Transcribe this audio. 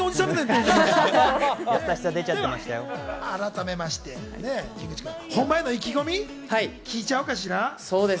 改めまして神宮寺君、本番への意気込み、聞いちゃおうかしら。